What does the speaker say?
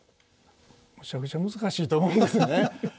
むちゃくちゃ難しいと思いますね。